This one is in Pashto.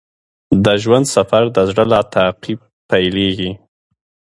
د ژوند سفر د زړه له تعقیب پیلیږي.